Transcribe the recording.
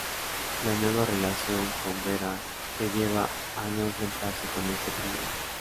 La nueva relación con Vera le lleva a no enfrentarse con este problema.